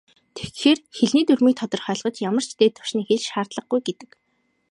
Тэгэхээр, хэлний дүрмийг тодорхойлоход ямар ч "дээд түвшний хэл" шаардлагагүй гэдэг.